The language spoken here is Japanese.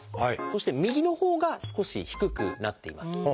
そして右のほうが少し低くなっています。